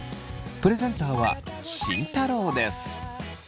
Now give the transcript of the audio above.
プレゼンターは慎太郎です。